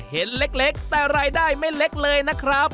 เห็นเล็กแต่รายได้ไม่เล็กเลยนะครับ